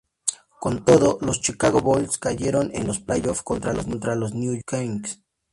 Con todo, los Chicago Bulls cayeron en los playoff contra los New York Knicks.